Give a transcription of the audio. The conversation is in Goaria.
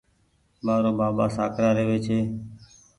مآرو ٻآٻآ سآڪرآ رهوي ڇي